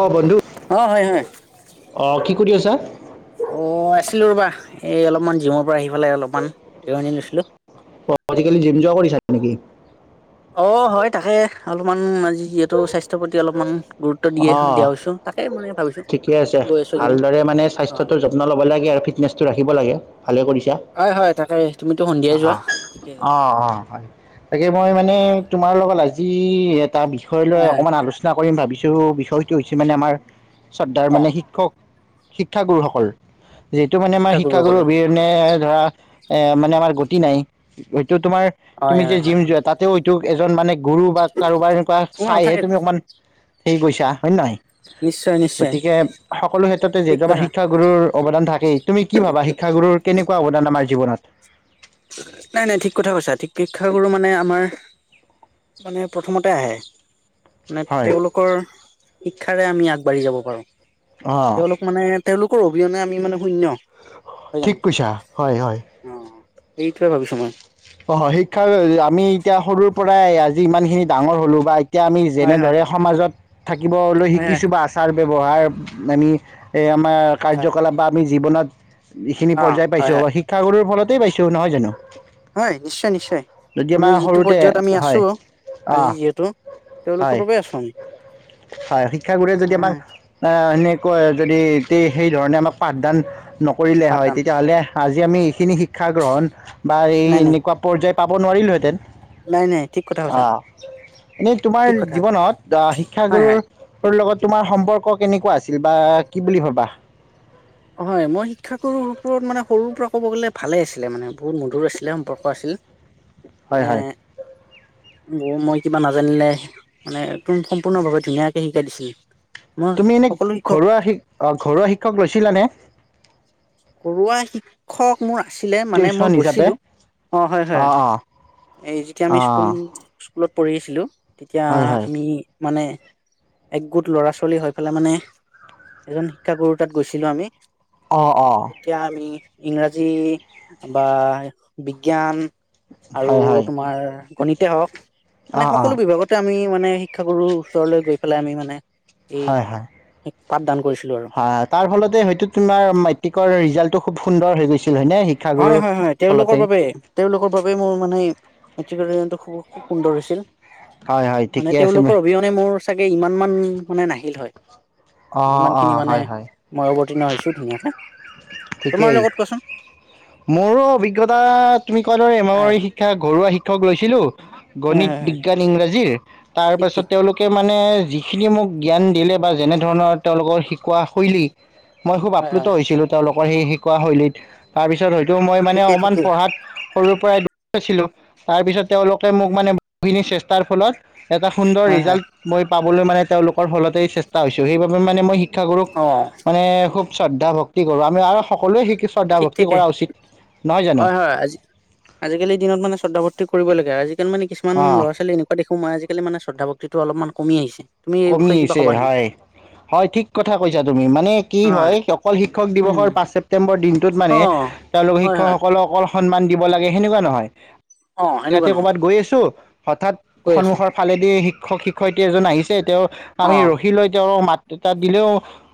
অ, বন্ধু অ হয় হয়। অ কি। [unintelligible] অ, আছিলো ৰ'বা এই অলপমান জিমৰ পৰা আহি পালাই অলপমান জিৰণি লৈছিলো। অ, আজিকালি জিম জোৱা কৰিছা নেকি? অ, হয় তাকে। অলপমান আজি। যিহেতু স্বাস্থ্যৰ প্ৰতি অলপমান গুৰুত্ব দিয়ে অ দিয়া হৈছো তাকে মানে। ভাবিছো ঠিকে আছে গৈ আছো এইকেইদিন ভালদৰে মানে অ স্বাস্থ্যটো যত্ন ল'ব লাগে আৰু ফিটনেচটো ৰাখিব লাগে। ভালে কৰিছা, হয় হয় তাকে তুমিতো অ সন্ধিয়াই যোৱা ঠিকে অ অ হয় তাকে মই উম মানে হয় তোমাৰ লগত আ। আি [unintelligible] তাৰ বিষয় লৈ হয় হয় অকণমান আলোচনা কৰিম ভাবিছো বিষয়টো হৈছে মানে আমাৰ শ্ৰদ্ধাৰ অ মানে শিক্ষক শিক্ষা গুৰুসকল যিহেতু মানে শিক্ষা আমাৰ শিক্ষাগুৰু গুৰুসকলৰ অবিহনে ধৰা এ মানে আমাৰ গতি নাই টো তোমাৰ হয় তুমি হয় যে জিম হয় যোৱা তাতে তোক এজন মানে গৰু বা কাৰোবাৰ এনেকুৱা অ থাকে চাইহে তুমি অকমান সেই কৈছা হয় নে নহয় নিশ্চয়। নিশ্চয় গতিকে সকলো ক্ষেত্ৰতে ঠিক যিহেতু আমাৰ কথা শিক্ষাগুৰুৰ অৱদান থাকেই তুমি কি ভাবা শিক্ষাগুৰুৰ কেনেকুৱা অৱদান আমাৰ জীৱনত নাই নাই ঠিক কথা কৈছা ঠিক শিক্ষাগুৰু মানে আমাৰ মানে প্ৰথমতে আহে মানে হয় তেওঁলোকৰ শিক্ষাৰে আমি আগবাঢ়ি যাব পাৰোঁ, অ তেওঁলোক মানে, তেওঁলোকৰ অবিহনে আমি মানে শূন্য হয় ঠিক জানো কৈছা হয় হয় অ এইটোৱে ভাবিছো মই অ হয় শিক্ষাৰ আমি এতিয়া সৰুৰ পৰাই আজি ইমান খিনি ডাঙৰ হ'লো বা এতিয়া আমি হয় যেনেদৰে সমাজত থাকিবলৈ হয় হয় শিকিছো বা আচাৰ ব্যৱহাৰ আমি, এই আমাৰ হয় হয় কাৰ্যকলাপ বা আমি জীৱনত এইখিনি অ পৰ্যায় হয় পাইছো হয় আ শিক্ষাগুৰুৰ ফলত সেই পাইছোঁ নহয় জানো হয় নিশ্চয় নিশ্চয় যদি আমি আমাৰ যিটো সৰুতে পৰ্যায়ত আমি আছো হয় অ আজি যিহেতু তেওঁলোকৰ হয় বাবে আছো আমি হয় ক যদি সেই ধৰণে আমাক পাঠদান নক কৰিলে হয় পাঠদান তেতিয়াহ'লে আজি যে আমি এইখিন শিকা শিক্ষা গ্ৰহণ বা এই নাই নাই তেনেুৱা পৰ্যায় পাব নোৱাৰিলোহেঁতেন নাই নাই ঠিক কথা অ কৈছা এনেই তোমাৰ ঠিক কথা জীৱনত আহ হয় শিক্ষাগুৰু হয় লগত তোমাৰ সম্পৰ্ক ক কেনেকুৱা আছিল বা কি বুলি ভাবা হয় মই শিক্ষাগুৰু ওপৰত মানে সৰুৰ পৰা ক'ব গ'লে ভালে আছিলে মানে বহুত মধুৰ আছিলে সম্পৰ্ক আছিল হয় হয়। বৌ মই কিবা নাজানিলে মানে একদম সম্পূৰ্ণভাৱে ধুনীয়াকে শিকাই দিছিল। মই তুমি এনে সকলো শিক্ষক ঘৰুৱা শ ঘৰুৱা শিক্ষক লৈছিলানে? ঘৰুৱা শিক্ষক মোৰ আছিলে মানে টিউচন মই হিচাপে গৈছিলোঁ অ হয় অঁ অঁ হয় এই যেতিয়া আমি স্কুল অঁ স্কুলত পঢ়ি আছিলোঁ। তেতিয়া হয় হয় আমি। মানে একগোট ল'ৰা ছোৱালী হৈ পেলাই মানে এজন শিক্ষাগুৰু তাত গৈছিলো আমি। অ অ। তেতিয়া আমি ইংৰাজী বা বিজ্ঞান। আৰু হয় হয় তোমাৰ। গণিতেই হওঁক মানে অঁ অঁ সকলো বিভাগতে আমি মানে শিক্ষাগুৰুৰ ওচৰলৈ গৈছো। পে আমি মানে এই হয় হয়। পাঠদান কৰিছো। হয় তাৰ, ফলতে হয়তো তোমাৰ মেট্ৰিকৰ ৰিজাল্ট। খুব সুন্দৰ হৈ গৈছে। হয় হয় হয় তেওঁলোকৰ বাবে তেওঁলোকৰ বাবে মোৰ মানে। আক যন্তু খুব। খুব সুন্দৰ হৈছিল হয় হয় মানে ঠিকে আছে তেওঁলোকৰ অবিহনে মোৰ চাগে ইমান। মানে নাহিল হয়। অঁ, অঁ, হয় হয়। নহছো ধুনীয়াে। তোমাৰ ঠিকেই লগত কোৱাচোন। মোৰো অভিজ্ঞতা, তুমি কোৱা দৰে হয় এমাৱাৰী শিক্ষা ঘৰুৱা শিক্ষক লৈ। কৈছিলো। হয় গণিত হয় হয় বিজ্ঞান ইংৰাজীৰ। তাৰ ঠিক পাছত ঠিক তেওঁলোকে মানে। নে যিখিনি মোক জ্ঞান দিলে বা যেনে ধৰণৰ তেওঁলোকৰ শিকোৱা শৈলী। মই খুব হয় আপ্লুত হয় হৈছিলো। স শিক শৈলত তাৰ পিছত। মই মানে ঠিকেই অকণমান ঠিকেই পঢ়াত সৰু। পৰাইছিলো তাৰপিছত তেওঁলোকে মোক মানে বহুখিনি চেষ্টাৰ ফলত। এটা সুন্দৰ হয় হয় ৰিজাল্ট মই। পাবলৈ মানে তেওঁলোকৰ ফলতে চেষ্টা হৈছো সেইবাবে মানে মই শি। শিক্ষাগুৰুক অ মানে খুব। শ্ৰদ্ধাভক্ত। কি কৰো আমি আৰু সকলোৱে শিকো। ঠিক থঠাকে হয় হয় আজি আজিকালি দিনত মানে শ্ৰদ্ধ ভৰ্তি কৰিব লাগে আজিকালি মানে কি। কিমান অঁ ল'ৰা ছোৱী এনেকুৱা। দেখো মই আজিকালিনে শ্ৰদ্ধাভক্তি অলপমান কমিছে। কমি আহছে হয় হয় ঠিক কথা কৈছা তুমি মানে কি হয় অকল শিক্ষক উম দিৱসৰ পাঁচ ছেপ্তেম্বৰ দিন। ত মানে অ তেওঁলোকৰ হয় হয় শিক্ষকসকলক অকল। সন্মান দিব লাগে সেনেকুৱা নহয়। অ এনেকুৱা ৰাতি নহয় কৰ'বাত গৈ আছো হঠাৎ কৈ আছো সন্মুখৰ ফালেদি শি। শিক্ষ শিক্ষয়িত্ৰী এজন আহিছে। তেওঁ অ আমি ৰখি লৈ তেওঁৰ মাত। তাত দিলেও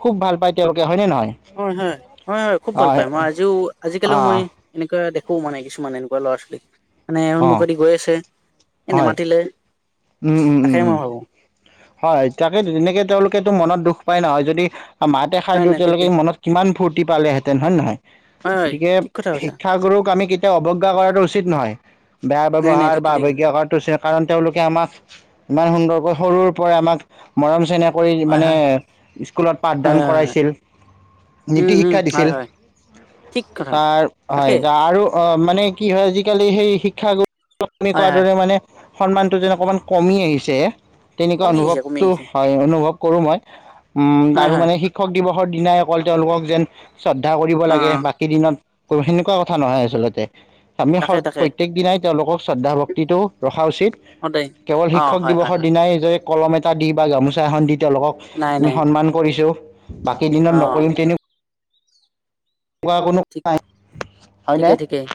খুব ভাল পায় তেওঁলোকে হয় নে নহয়। হয়, হয়, হয়, হয় খুব ভাল অঁ পায় মই আজিও আজিকালিও অঁ মই এনেকুৱা দেখো। সু মানে কিছুমানে এনেকুৱা ল' ৰ ছোৱালী। মানে অঁ সন্মুখতে গৈ আছে এই হয় নেমাতিলে উম উম উম তাকেই উম মই ভাবো। হয় তাকে তেনেকে তেওঁলোকেতো মনত দুখ পাই নহয় যদি। মাতে খাই নাই দিওঁ নাই তেওঁলোকে ঠিকে মনত কিমান ভূত। টিপালেতেন হয় নহয়। হয় হয় গতিকে ঠিক কথা কৈছা শিক্ষাগুৰুক আমি কেতিয়াও অৱজ্ঞা কৰাটো উচিত নহয় বেয়া নাই নাই ব্যৱহাৰ ঠিক বা ঠিক অৱজ্ঞা কৰাটো উচিত কাৰণ তেওঁলোকে আমাক ইমান সুন্দৰ। বৰ সৰু। আমাক মৰম চেনেহ কৰি হয় হয় মানে স্কুলত পাঠদান হয় হয় হয় কৰাইছিল উম নীতি উম শিক্ষা হয় দিছিল হয় ঠিক কথা তাকে হয়, আৰু। অ মানে কি হয় আজিকালি সেই শিক্ষাগু। মি হয় কৰা হয় দৰে মানে। সন্মানটো যেন অকমান কমি আহিছে। তেনেকুৱা কমি আহিছে কমি অনুভৱটো আহিছে হয়, অনুভৱ কৰোঁ মই উম, হয় আৰু হয় মানে শিক্ষক প্ৰতিবছৰ দিনাই অকল তেওঁলোকক যেন শ্ৰদ্ধা কৰিব অ লাগে, বাকী দিনত সেনেকুৱা কথা নহয় আচলতে। আমি স তাকে তাকে প্ৰত্যেক দিনাই তেওঁলোকক শ্ৰদ্ধা ভক্তিটো ৰখা উচিত, সদায় কেৱল অ শিক্ষক হয় হয় দিৱসৰ হয় দিনাই কলম এটা দি বা গামোচা এখন দি তেওঁলোকক নাই আমি নাই ঠিক সন্মান কৰিছোঁ। বাকী দিনত অ নকৰিম তেনে অ কোনো ক ঠিকেই ঠিকেই।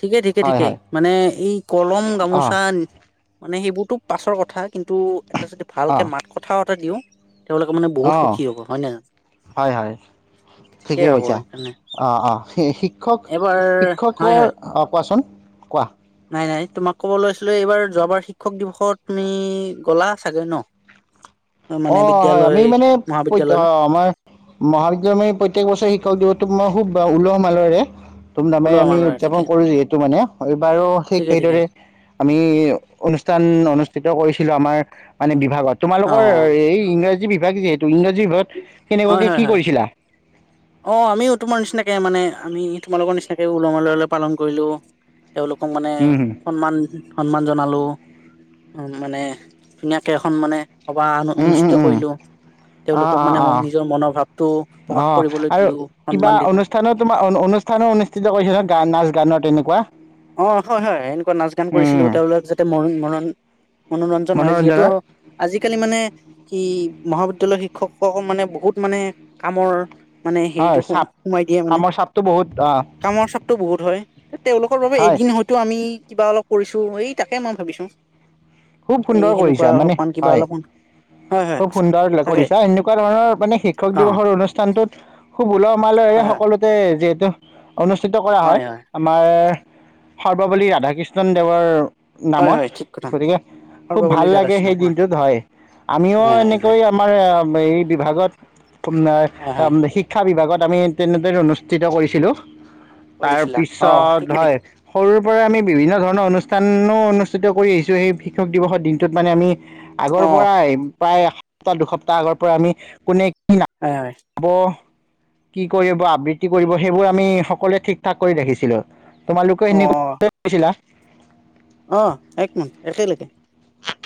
ঠিকে ঠিকে হয় ঠিকে, হয় মানে এই কলম, অঁ গামোচা মানে সেইবোৰতো পাছৰ কথা কিন্তু টো এটা যদি ভালকে অঁ মাত কথা টা দিওঁ তেওঁলোকে মানে বহুত অঁ সুখী হ'ব হয় ন জানো, হয় হয় ঠিকেই হ'ব সেইকাৰণে অঁ অঁ শিক্ষক, এইবাৰ হয় শিক্ষকৰ হয় অ কোৱাচোন। কোৱা? নাই নাই তোমাক ক'ব লৈছিলো এইবাৰ যোৱাবাৰ শিক্ষক দিৱসত তুমি গ'লা চাগৈ ন? মানে অ হয় বিদ্যালয় আমি মানে, অ মহাবিদ্যালয়লৈ আমাৰ মহাবিদ্যালয়ত প্ৰত্যক বছৰে শিক্ষক দিৱস মই খুব ওলহ মালহৰে ধুমধামে ওলোৱা আমি মাৰা উদযাপন ঠিকে কৰো যিহেতু মানে, এইবাৰো ঠিক ঠিকে ঠিকে সেইদৰে আমি অনুষ্ঠান অনুষ্ঠিত কৰিছিলো আমাৰ মানে বিভাগত। অ তোমালোকৰ ইংৰাজী বিভাগ যিহেতু ইংৰা যি ঘৰত হয় কেনেকুৱাকে হয় কি হয় কৰিছিলা? অ আমিও তোমাৰ নিচিনাকে মানে আমি তোমালোকৰ নি তাক উলহ মালহেৰে পালন কৰিলো। তেওঁলোকক মানে সন্মান সন্মান জনালোঁ, মানে ধুনীয়াকৈ এখন মানে সভা অনুষ্ঠিত কৰিলো, অঁ তেওঁওলোকক অঁ মানে মোৰ অঁ নিজৰ মনৰ ভাৱটো প্ৰকাশ অ কৰিবলৈ আৰু দিলো কিবা সন্মান দিলো অনুষ্ঠানো তোমাৰ অনু অনুষ্ঠানো অনুষ্ঠিত কৰিছে ন গা নাচ গানত তেনেকুৱা। অ হয় হয় এনেকুৱা নাচ গান কৰিছিলো উম, তেওঁলোকক যাতে ম ম মনোৰঞ্জন হয় যিহেতু মনোৰঞ্জনৰ। আজি আজিকালি মানে ই মহাবিদ্যালয় শিক্ষক মানে বহুত মানে কামৰ। মানে হয়, হেৰিটো চাপ সোমাই দিয়ে মানে কামৰ চাপটো বহুত অ', কামৰ চাপটো বহুত হয় তেওঁলোক বাবে হয়। এদিন হয়তো আমি আমি কিবা অলপ কৰিছো এই তাকে মই ভাবিছো। খুব এই সুন্দৰ সেনেকুৱা কৰিছা মানে অলপমান কিবা হয় অলপমান হয় হয় খুব সুন্দৰ তাকে কৰিছা এনেকুৱা ধৰণৰ মানে শিক্ষক অ দিৱসৰ অনুষ্ঠানটোত সু বোল মালে হয় হয় সকলোতে যে ক অনুষ্ঠিত কৰা হয় আমাৰ। সৰ্বপলি ৰাধাকৃষ্ণন দেৱৰ হয় নামত হয় ঠিক কথা গতিকে খুব ভাল সৰ্বপল্লী লাগে ৰাধাকৃষ্ণন সেই দিনটোত হয় আমিও হয় হয় হয় এনেকৈ আমাৰ এই বিভাগত হয় হয় শিক্ষা বিভাগত। আমি তেনেদৰে অনুষ্ঠিত কৰিছিলোঁ। তাৰ কৰিছিলা অ পিছত ঠিকে হয় ঠিকে সৰুৰ পৰা আমি বিভিন্ন ধৰণৰ অনুষ্ঠান। স্থানো অনুষ্ঠিত কৰি আহিছো সেই শিক্ষক দিৱসৰ দিনতানে আমি আগৰ অ পৰাই প্ৰায় এসপ্তাহ দুসপ্তাহ আগৰ পৰা আমি কোনে হয় হয় আকৌ কি কৰিব আবৃত্তি কৰিব সেইবোৰ আমি সকলোৱে ঠিক ঠাক কৰি দেখিছিলো তোমালোক অ অ এনেকোৱা কৈ কৰিছিলা অ একমত একেলগে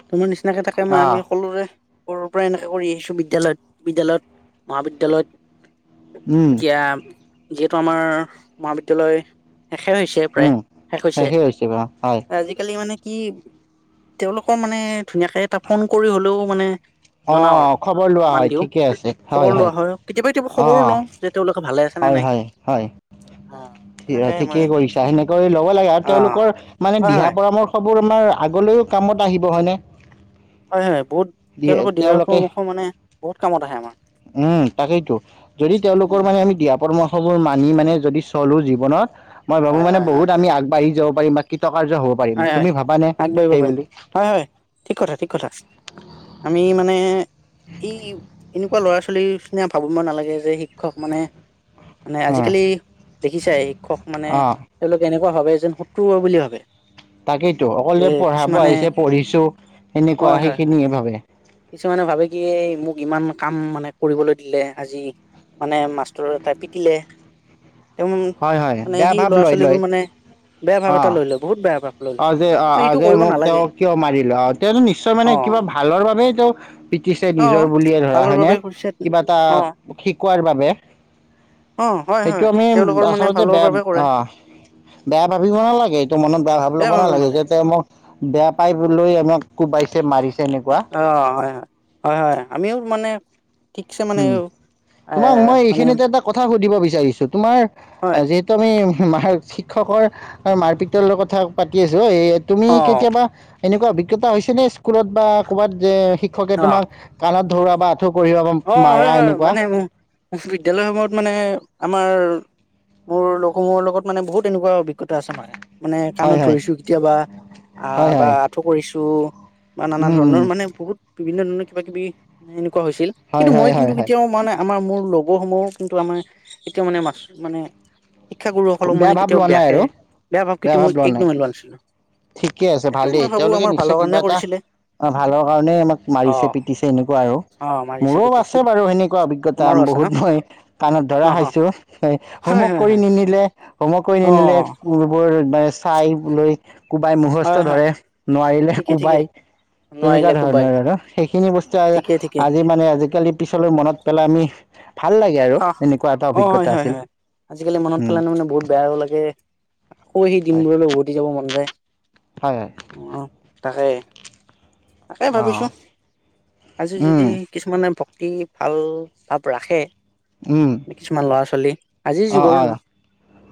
তোমাৰ নিশ্চয় তেনেকৈ থাকে মই আমি সকলোৰে সৰুৰ পৰা এনেকৈ কৰি আহিছো বিদ্যালয়ত বিদ্যালয়ত মহাবিদ্য়ালয়ত অঁ কিয় যিহেতু আমাৰ মহাবিদ্যালয় শেষে হৈছে প্ৰায় উম শেষ শেষে হৈছে বাৰু হয়। আজিকালি মানে কি তেওঁলোকৰ মানে ধুনীয়াকে এটা ফোন কৰি হলেও মানে। জনাও আৰু অ', খবৰ লোৱা সন্মান হয় দিও ঠিকে আছে খবৰ লোৱা হয় কেতিয়াবা কেতিয়াবা খবৰো অ', লওঁ যে তেওঁলোকে ভাল। হয় হয় হয় তেনেকে মই ঠিকেই কৰিছা সেনেকৈ ল'ব লাগে আৰু অ তেওঁলোকৰ মানে হয় হয় দিহা পৰামৰ্শ আমাৰ আগলৈও কামত আহিব হয়নে হয় হয় বহুত তেওঁলোকৰ দিহাৰ তেওঁলোকে পৰামৰ্শ মানে বহুত কামত আহে আাৰ উম তাকেইতো যদি তেওঁলোকৰ উম মানে আমি দিয়া পৰামৰ্শ উৎসবোৰ মানি মানে যদি চলোঁ জীৱনত মই ভাবো হয় মানে হয় বহুত হয় আমি আগবাঢ়ি যাওঁ প মাকি হয় হয় আগবাঢ়িব পাৰিম বুলি হয় হয় ঠিক কথা ঠিক কথা আমি মানে ই এনেকুৱা ল'ৰা ছোৱালী খিনিয়ে ভাবিব নালাগে যে শিক্ষক মানে মানে অ', আজিকালি দেখিছাই শিক্ষক মানে অ', তেওঁলোকে এনেকোৱা। নে ভাবে এ যেন শত্ৰু বুলি ভাবে তাকেইতো অকল যে পঢ়াব আহিছে পঢ়িছো এনেকুৱা হয় হয় হয় সেইখিনিয়ে ভাৱে কিছুমানে ভাবে কি এই মোক ইমান কাম মানে কৰিবলৈ দিলে আজি মানে মাষ্টৰৰ এটাই পিতিলে হয় হয় বেয়া ভাব লয় লয় বেয়া ভাৱ অ এটা লৈ লয় বহুত বেয়া ভাৱ লৈ লয় অজ অ সেইটো অ সেইটো যে কৰিব মোক তেওঁ নালাগে কিয় মাৰিল আহ তেওঁ নিশ্চয় মানে অ কিবা ভালৰ বাবে পিটিছে অ নিজৰ বুলিয়ে ধৰা ভালৰ হয়নে বাবে কৰিছে কিবা এটা অ শিকোৱাৰ বাবে অ হয় সেইটো হয় আমি তেওঁলোকৰ মানে আচলতে ভালৰ বেয়া বাবে কৰে অ বেয়া ভাবিব নালাগে এইটো মনত বেয়া ভাবি ল'ব নালাগে যে মোক বেয়া পাই বোলো ঐ আমাক কোবাইছে মাৰিছে এনেকুৱা অ হয় হয় হয় হয় আমিও মানে ঠিকছে মানে উম এ তোমাক মই মানে এইখিনিতে এটা কথা সুধো দিব বিচাৰিছো তোমাৰ হয় যিহেতু আমি মাৰ শিক্ষকৰ আৰু মাৰ পিতলৰ কথা পাতি আছো তুমি অ কেতিয়াবা এনেকুৱা অভিজ্ঞতা হৈছেনে স্কুলত বা ক'ৰবাত যে শিক্ষকে অ তোমাৰ কাণত ধৰা বা আঠু কঢ়িয়াব অ হয় হয় মানে বিদ্যালয় সমূহত মানে আমাৰ মোৰ লগ সমূহৰ লগত মানে বহুত এনেকুৱা অভিজ্ঞতা। অভিজ্ঞতা আছে মানে মানে হয় কাণত হয় ধৰিছো কেতিয়াবা আহ হয় বা হয় আঁঠু কৰিছো। টো বা নানা উম উম ধৰণৰ মানে বহুত বিভিন্ন ধৰণৰ কিবা কিবি এনেকুৱা হৈছে হয় কিন্তু মই হয় হয় কিন্তু হয় কেতিয়াও মানে আমাৰ মোৰ লগ লগৰসমূহো কিন্তু আমাৰ এতিয়াও মানে মাছ মানে শিক্ষাগুৰুসকলক বেয়া মানে ভাৱ কেতিয়াও লোৱা নাই বেয়াকে আৰু বেয়া কিন্তু ভাৱ মই লোৱা নাই একদমেই নাছিলো ঠিকে আছে সেইটো মই ভালেই ভাবো তেওঁলোকে আমাৰ ভালৰ নিশ্চয় কাৰণে কিবা এটা কৰিছিলে ভালৰ কাৰণে আমাক অ মাৰিছে পিটিছে এনেকুৱা আৰু অ মাৰিছে মোৰো পিটিছে আছে বাৰু সেনেকুৱা অভিজ্ঞতা তোমাৰো আছে ন বহুত মই কাণত অ ধৰা অ খাইছোঁ হয় হোমৱৰ্ক হয় কৰি হয় নিনিলে হোমৱৰ্ক কৰি অ নিনিলে স্কুল বোৰৰ চাই লৈ। কোবাই মুখস্থ হয় হয় ধৰে নোৱাৰিলে ঠিকে ঠিকে কোবাই তেনেকুৱা নোৱাৰিলে কোবাই ধৰণৰ আৰু সেইখিনি বস্তু ঠিকে ঠিকে আজি মানে আজিকালি পিছলৈ মনত পেলাই আমি ভাল লাগে আৰু আহ এনেকুৱা এটা অ হয় অভিজ্ঞতা হয় আছিল হয় আজিকালি মনত উম পেলালে মানে বহুত বেয়াও লাগে আকৌ সেই হয় দিনবোৰলৈ উভতি যাব মন যায় হয় হয় অ আহে তাকে অঁ ভাবিছো আজি যদি কিছুমানে ভ অতি ভাল চাপ ৰাখে কিছুমান ল'ৰা ছোৱালী আজিৰ অ যুগৰ অ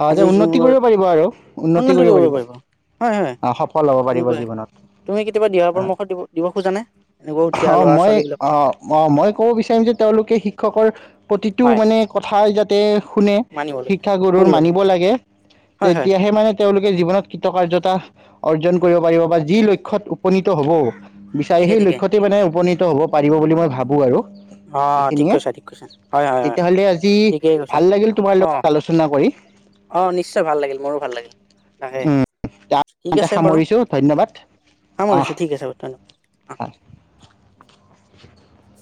অ আজিৰ উন্নতি যুগৰ কৰিব পাৰিব আৰু উন্নতি কৰিব পাৰিব হয় হয় অ সফল হ'ব পাৰিব এনেকুৱাই তুমি কেতিয়াবা দিহা জীৱনত অ পৰামৰ্শ দিব দিব খোজানে এনেকুৱা উঠি অহা অ ল'ৰা মই ছোৱালী বিলাক আহ অ মই ক'ব বিচাৰিম যে তেওঁলোকে শিক্ষকৰ [unintelligible] প্ৰতিটো হয় মানে কথাই যাত তে মানিবলগীয়া শিক্ষাগুৰুৰ মানিব শুনিবলগীয়া লাগে হয় হয় তেতিয়াহে মানে তেওঁলোকে জীৱনত কৃতকাৰ্যতা অৰ্জন কৰিব পাৰিব বা যি লক্ষ্ত উপনীত হব বিচাৰে ঠিকে সেই ঠিকে লক্ষ্যতে মানে উপনীত হ'ব পাৰিব বুলি মই ভাবো আৰু অ ঠিক এইখিনিয়ে কৈছা ঠিক কৈছা হয় হয় হয় তেতিয়াহ'লে আজি ঠিকেই কৈছা। ভাল লাগিল তোমাৰ অঁ লগত আলোচনা কৰি অঁ নিশ্চয় ভাল লাগিল মোৰো ভাল লাগিল ৰাহে উম, ঠিক আছে বাৰু সামৰিছোঁ ধন্যবাদ আহ সামৰিছোঁ ঠিক আছে বাৰু ধন্যবাদ অ ভাল। [inaudible]